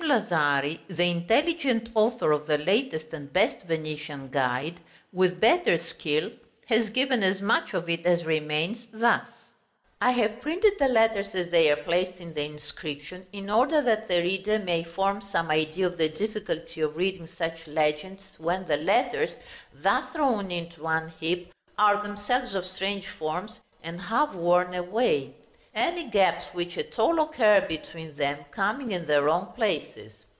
Lazari, the intelligent author of the latest and best Venetian guide, with better skill, has given as much of it as remains, thus: [Illustration: T SCEMARIEDIGENETRICISETBEATIESTEFANIMART IRIEGOINDIGNVSETPECCATURDOMENICUST] I have printed the letters as they are placed in the inscription, in order that the reader may form some idea of the difficulty of reading such legends when the letters, thus thrown into one heap, are themselves of strange forms, and half worn away; any gaps which at all occur between them coming in the wrong places.